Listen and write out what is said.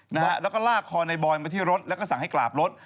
นะฮะแล้วก็ลากคอในบอยมาที่รถแล้วก็สั่งให้กราบรถ